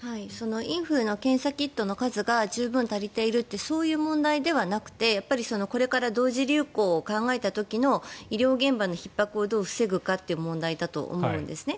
インフルの検査キットの数が十分足りてるってそういう問題ではなくてやっぱりこれから同時流行を考えた時の医療現場のひっ迫をどう防ぐかという問題だと思うんですね。